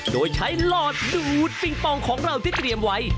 โดยใช้หลอดดูดปิงปองของเราที่เตรียมไว้